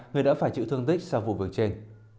người đã phải chịu thương tích sau vụ việc trên